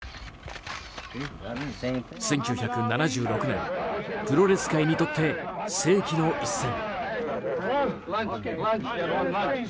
１９７６年プロレス界にとって世紀の一戦。